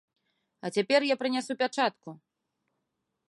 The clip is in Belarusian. А цяпер я прынясу пячатку!